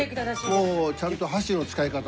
もうちゃんと箸の使い方ね。